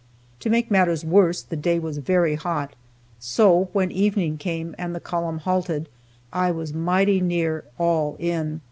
To make matters worse, the day was very hot, so, when evening came and the column halted, I was mighty near "all in."